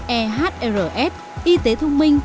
ehrs y tế thông minh